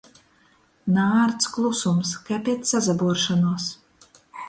Naārts klusums kai piec sasabuoršonuos.